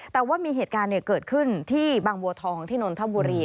แต่ว่ามีเหตุการณ์เกิดขึ้นที่บางบัวทองที่นนทบุรี